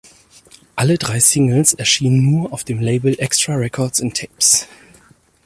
Alle drei Singles erschienen nur auf dem Label „Extra Records and Tapes“.